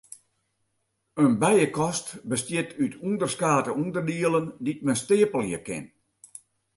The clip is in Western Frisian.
In bijekast bestiet út ûnderskate ûnderdielen dy't men steapelje kin.